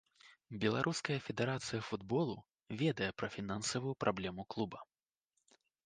Беларуская федэрацыя футболу ведае пра фінансавую праблему клуба.